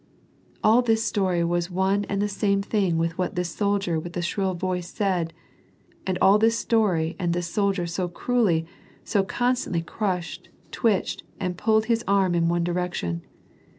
All this story was one and the same thing with what this soldier w^ith the shrill voice said, and all this story and this soldier so cruelly, so constantly crushed, twitched, and pulled his arm in one direction